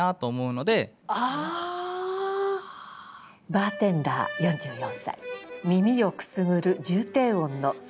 「バーテンダー４４歳耳をくすぐる重低音のスイートソース」。